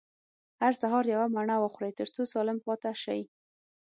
هر سهار يوه مڼه وخورئ، تر څو سالم پاته سئ.